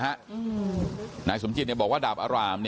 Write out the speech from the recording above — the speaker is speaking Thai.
เพราะไม่เคยถามลูกสาวนะว่าไปทำธุรกิจแบบไหนอะไรยังไง